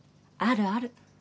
あるある。